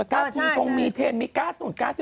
ก๊าซนู่นตรงมีเทนมีก๊าซนู่นก๊าซนู่น